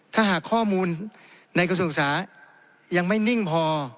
ถ้าหากข้อมูลในกระทรวงศึกษายังไม่นิ่งพอ